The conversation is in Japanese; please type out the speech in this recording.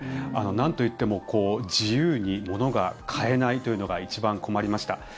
なんといっても自由に物が買えないというのが一番困りました。